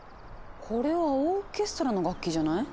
これはオーケストラの楽器じゃない？